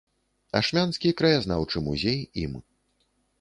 Ашмянскі краязнаўчы музей ім.